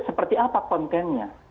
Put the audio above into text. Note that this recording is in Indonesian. seperti apa kontennya